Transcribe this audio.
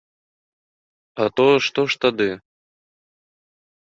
А то што ж тады?